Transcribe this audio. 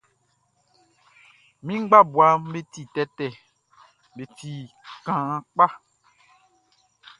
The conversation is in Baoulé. Mi ngbabuaʼm be ti tɛtɛ, be ti kaan kpa.